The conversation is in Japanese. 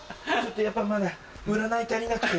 やっぱまだ占い足りなくて。